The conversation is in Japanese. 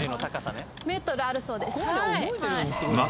メートルあるそうです